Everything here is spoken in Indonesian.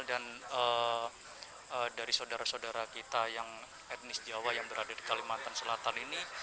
dan dari saudara saudara kita yang etnis jawa yang berada di kalimantan selatan ini